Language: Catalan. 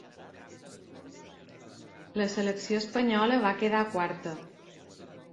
La selecció espanyola va quedar quarta.